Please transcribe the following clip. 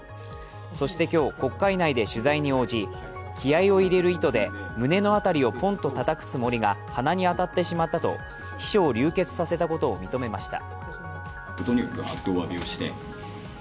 そして今日、国会内で取材に応じ、気合を入れる意図で胸の辺りをポンとたたくつもりが鼻に当たってしまったと秘書を流血させたことを認めました。